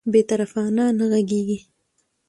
بې طرفانه نه غږیږي